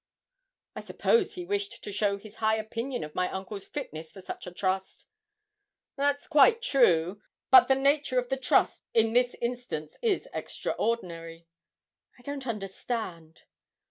'I suppose he wished to show his high opinion of my uncle's fitness for such a trust.' 'That's quite true; but the nature of the trust in this instance is extraordinary.' 'I don't understand.'